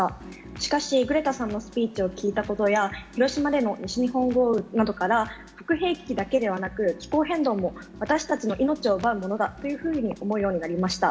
しかし、グレタさんのスピーチを聞いたことや、広島での西日本豪雨などから、核兵器だけではなく、気候変動も私たちの命を奪うものだというふうに思うようになりました。